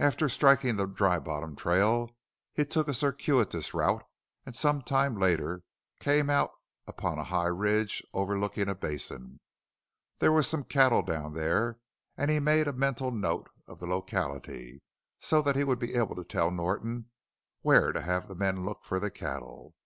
After striking the Dry Bottom trail he took a circuitous route and some time later came out upon a high ridge overlooking a basin. There were some cattle down there and he made a mental note of the locality so that he would be able to tell Norton where to have the men look for the cattle.